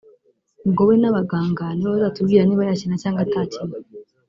ubwo we n’abaganga nibo bazatubwira niba yakina cyangwa atakina